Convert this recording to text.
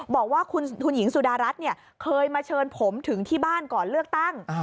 บอกว่าคุณหญิงสุดารัฐเคยมาเชิญผมถึงที่บ้านก่อนเลือกตั้ง